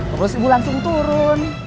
terus ibu langsung turun